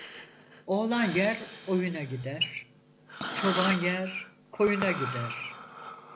Oğlan yer oyuna gider, çoban yer koyuna gider.